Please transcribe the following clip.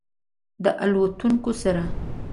د الوتونکو سره